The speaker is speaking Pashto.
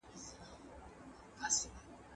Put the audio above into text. په لاس خط لیکل د ټولني د پرمختګ څرخ ګرځوي.